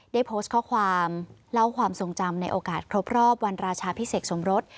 ได้โพสต์ข้อความเล่าความทรงจำในโอกาสครบรอบวันราชาพิเศษสมรส